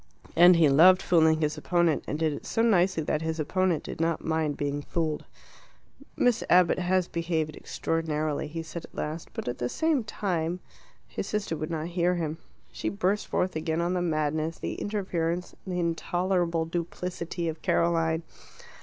And he loved fooling his opponent, and did it so nicely that his opponent did not mind being fooled. "Miss Abbott has behaved extraordinarily," he said at last; "but at the same time " His sister would not hear him. She burst forth again on the madness, the interference, the intolerable duplicity of Caroline.